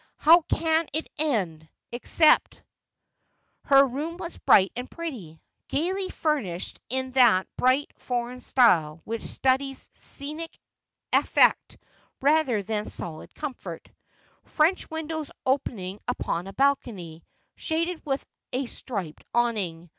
' How can it end — except ' Her room was bright and pretty, gaily furnished in that bright foreign style which studies scenic effect rather than solid comfort ; French windows opening upon a balcony, shaded with a striped awning.